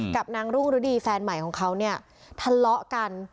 กับนางรุ่งฤดีแฟนใหม่ของเขาเนี่ยทะเลาะกัน